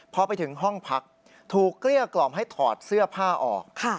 พอไปถึงห้องพักถูกเกลี้ยกล่อมให้ถอดเสื้อผ้าออก